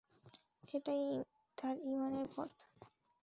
এটাই তার ঈমানের পথ।